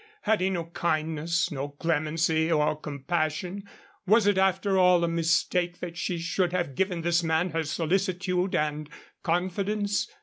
Had he no kindness, no clemency or compassion? Was it, after all, a mistake that she should have given this man her solicitude and confidence?